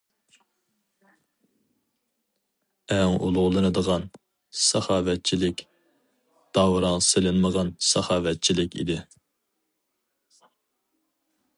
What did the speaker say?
ئەڭ ئۇلۇغلىنىدىغان ساخاۋەتچىلىك داۋراڭ سېلىنمىغان ساخاۋەتچىلىك ئىدى.